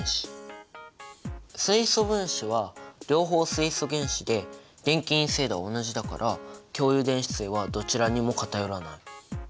水素分子は両方水素原子で電気陰性度は同じだから共有電子対はどちらにも偏らない。